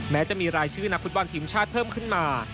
แม้จะมีรายชื่อนักฟุตบอลทีมชาติเพิ่มขึ้นมา